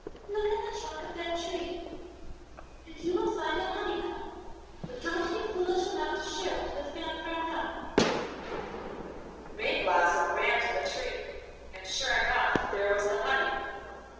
look in the trunk of that tree, and you will find a honeycomb, but don't be foolish enough to share it with Fanfaronade.' Mayblossom ran to the tree, and sure enough there was the honey.